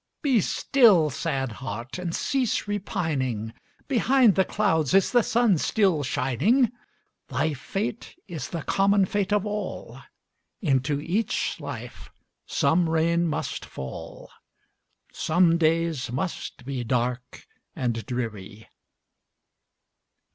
Be still, sad heart! and cease repining; Behind the clouds is the sun still shining; Thy fate is the common fate of all, Into each life some rain must fall, Some days must be dark and dreary.